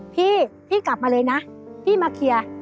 พี่พี่กลับมาเลยนะพี่มาเคลียร์